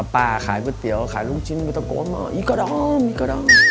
ป๊าขายปื้อเตี๊ยวขายลูกจิ้นรูปละโกะ